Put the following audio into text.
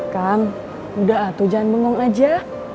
kang udah atuh jangan bengong aja